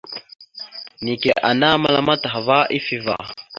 Neke ana məlam ataha ava ifevá.